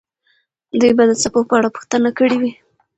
دوی به د څپو په اړه پوښتنه کړې وي.